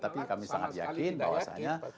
tapi kami sangat yakin bahwasannya